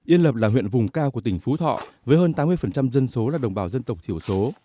yên lập là huyện vùng cao của tỉnh phú thọ với hơn tám mươi dân số là đồng bào dân tộc thiểu số